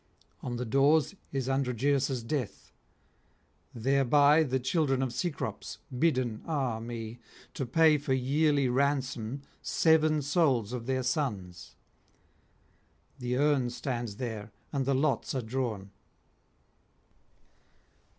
On the doors is Androgeus' death; thereby the children of Cecrops, bidden, ah me! to pay for yearly ransom seven souls of their sons; the urn stands there, and the lots are drawn.